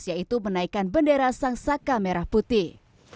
yaitu menaikan bendera sangsaka merah putih